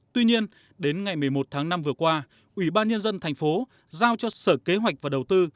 tuy nhiên đến ngày một mươi một tháng năm vừa qua ủy ban nhân dân thành phố giao cho sở kế hoạch và đầu tư